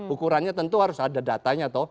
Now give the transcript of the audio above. ukurannya tentu harus ada datanya toh